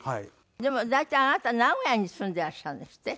でも大体あなた名古屋に住んでいらっしゃるんですって？